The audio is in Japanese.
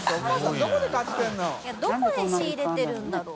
どこから仕入れてくるんだろう？